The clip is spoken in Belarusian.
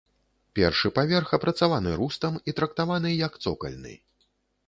Першы паверх апрацаваны рустам і трактаваны як цокальны.